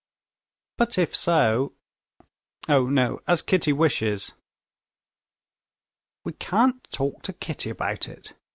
"But if so...." "Oh, no, as Kitty wishes." "We can't talk to Kitty about it!